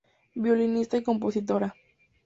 Violinista y Compositora.